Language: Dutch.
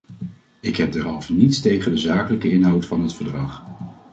Ik heb derhalve niets tegen de zakelijke inhoud van het verdrag.